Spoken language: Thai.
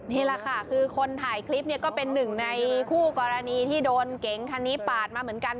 นี่แหละค่ะคือคนถ่ายคลิปเนี่ยก็เป็นหนึ่งในคู่กรณีที่โดนเก๋งคันนี้ปาดมาเหมือนกัน